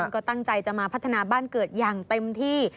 ก็ตั้งใจจะมาพัฒนาบ้านเกิดอย่างเต็มที่